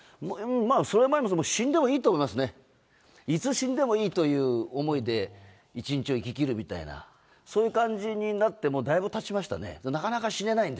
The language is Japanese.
まあ、それよりも死んでもいいと思いますね、いつ死んでもいいという思いで、一日を生ききるみたいな、そういう感じになって、もうだいぶたちましたね。